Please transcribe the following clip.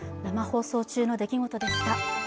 生放送中の出来事でした。